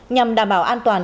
nhằm đảm bảo an toàn